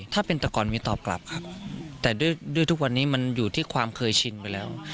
ถ้าเป็นแต่ก่อนมีตอบกลับครับแต่ด้วยทุกวันนี้มันอยู่ที่ความเคยชินไปแล้ว